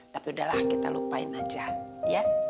tapi udahlah kita lupain aja ya